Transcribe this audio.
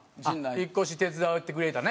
引っ越し手伝ってくれたね。